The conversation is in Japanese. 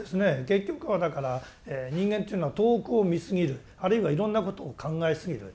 結局はだから人間というのは遠くを見すぎるあるいはいろんなことを考えすぎる。